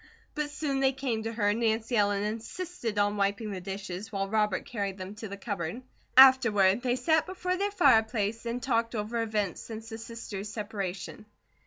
But soon they came to her and Nancy Ellen insisted on wiping the dishes, while Robert carried them to the cupboard. Afterward, they sat before their fireplace and talked over events since the sisters' separation.